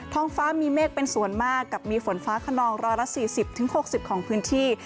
งฟ้ามีเมฆเป็นส่วนมากกับมีฝนฟ้าขนอง๑๔๐๖๐ของพื้นที่